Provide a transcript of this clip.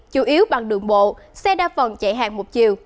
chủ yếu bằng đường bộ xe đa phần chạy hàng một chiều